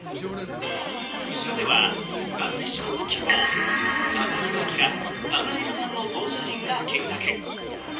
後ろではダルビッシュの投球を佐々木朗希ら侍ジャパンの投手陣が見学。